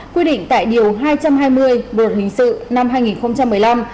quy định tại điều hai trăm hai mươi bộ luật hình sự năm hai nghìn một mươi năm